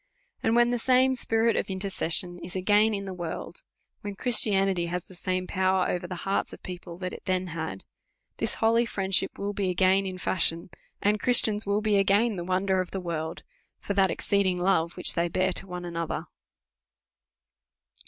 And when the same spirit of intercession is again in the world, when Christianity has the same power over the hearts of the people, that it then had, this holy friendship will be again in fashion, and Christians will be again the wonder of the world, for that exceeding*. love which they bear to one another.